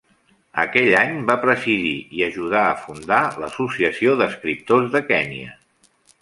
Aquell any va presidir i ajudar a fundar l'Associació d'Escriptors de Kènia.